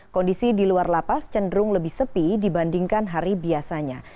kondisi di luar lapas cenderung lebih sepi dibandingkan hari biasanya